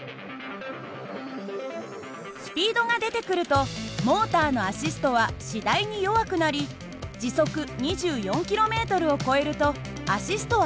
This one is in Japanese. スピードが出てくるとモーターのアシストは次第に弱くなり時速２４ｋｍを超えるとアシストはなくなります。